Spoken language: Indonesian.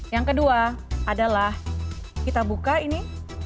yang kedua adalah kita buka ini